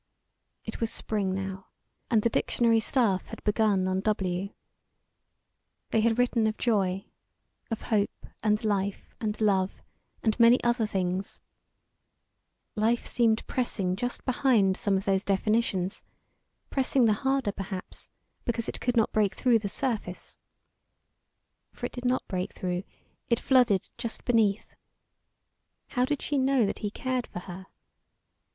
It was spring now, and the dictionary staff had begun on W. They had written of Joy, of Hope and Life and Love, and many other things. Life seemed pressing just behind some of those definitions, pressing the harder, perhaps, because it could not break through the surface. For it did not break through; it flooded just beneath. How did she know that he cared for her?